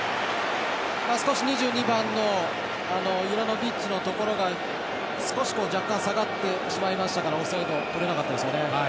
少し２２番のユラノビッチのところが少し若干下がってしまいましたからオフサイドとれなかったですよね。